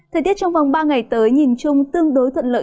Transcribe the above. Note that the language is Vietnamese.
thời tiết trong vòng ba ngày tới nhìn chung tương đối thuận lợi